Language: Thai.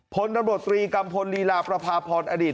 พลตำรวจตรีกัมพลลีลาประพาพรอดีต